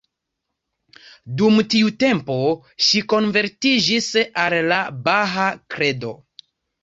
Dum tiu tempo ŝi konvertiĝis al la bahaa kredo.